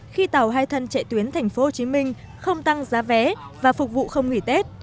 khi tàu hai thân chạy tuyến thành phố hồ chí minh không tăng giá vé và phục vụ không nghỉ tết